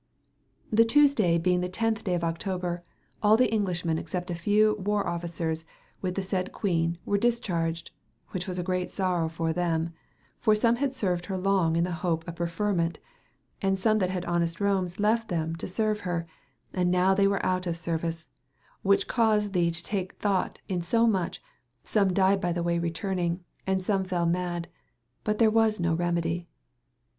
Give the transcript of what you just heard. The Tewesdaye beyng the x daye of October all the Englishmen except a fewe that wer officers with the sayde quene were discharged whiche was a greate sorowe for theim, for some had serued her longe in the hope of preferment and some that had honest romes left them to serue her and now they wer out of seruice, which caused the to take thought in so much, some dyed by way returning, and some fell mad, but ther was no remedy.